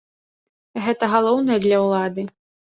Гэта галоўнае для ўлады.